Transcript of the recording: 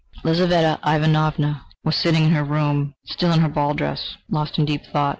IV Lizaveta Ivanovna was sitting in her room, still in her ball dress, lost in deep thought.